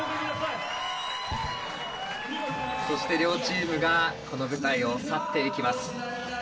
そして両チームがこの舞台を去っていきます。